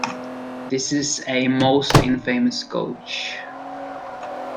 This a most infamous coach.